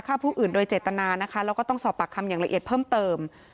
ฆ่าผู้อื่นโดยเจตนานะคะแล้วก็ต้องสอบปากคำอย่างละเอียดเพิ่มเติม